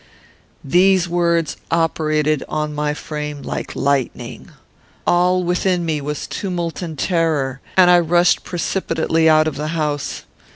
"These words operated on my frame like lightning. All within me was tumult and terror, and I rushed precipitately out of the house.